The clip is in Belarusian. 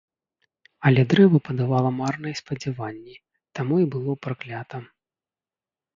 Але дрэва падавала марныя спадзяванні, таму і было праклята.